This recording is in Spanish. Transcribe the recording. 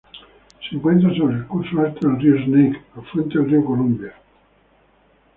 Se encuentra sobre el curso alto del río Snake, afluente del río Columbia.